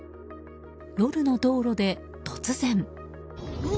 夜の道路で、突然。